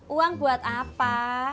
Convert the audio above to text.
uang buat apa